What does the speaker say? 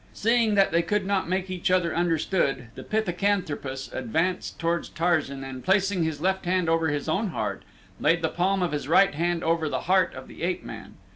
Seeing that they could not make each other understood, the pithecanthropus advanced toward Tarzan and placing his left hand over his own heart laid the palm of his right hand over the heart of the ape man.